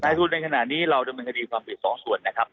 ทุนในขณะนี้เราดำเนินคดีความผิดสองส่วนนะครับ